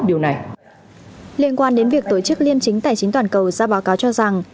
liên quan đến việc tổ chức liên chính tài chính toàn cầu ra báo cáo cho rằng